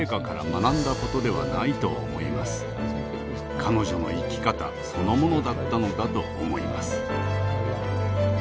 彼女の生き方そのものだったのだと思います。